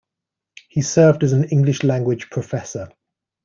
He served as an English language professor.